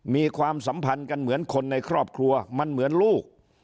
ความสัมพันธ์กันเหมือนคนในครอบครัวมันเหมือนลูก